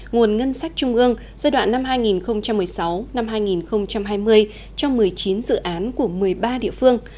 nguồn ngân sách trung ương giai đoạn năm hai nghìn một mươi sáu hai nghìn hai mươi trong một mươi chín dự án của một mươi ba địa phương